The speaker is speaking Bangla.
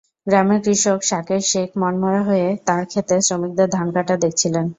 গ্রামের কৃষক সাকের শেখ মনমরা হয়ে তাঁর খেতে শ্রমিকদের ধান কাটা দেখছিলেন।